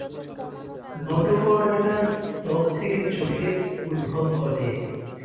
নটোকর্ডাটার ত্বক থেকে চোখের উদ্ভব ঘটে।